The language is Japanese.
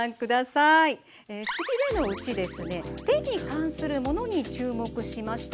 しびれのうち手に関するものに注目しました。